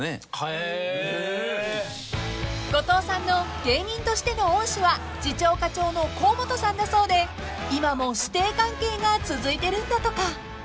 ［後藤さんの芸人としての恩師は次長課長の河本さんだそうで今も師弟関係が続いてるんだとか］